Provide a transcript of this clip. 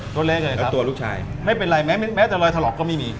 ตัวเล็กเลยครับตัวลูกชายไม่เป็นไรแม้แต่รอยถลอกก็ไม่มี